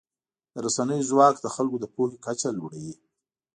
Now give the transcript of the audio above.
د رسنیو ځواک د خلکو د پوهې کچه لوړوي.